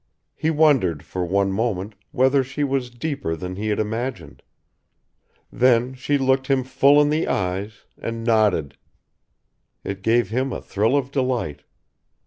He wondered, for one moment, whether she was deeper than he had imagined. Then she looked him full in the eyes and nodded. It gave him a thrill of delight.